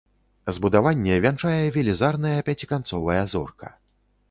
Збудаванне вянчае велізарная пяціканцовая зорка.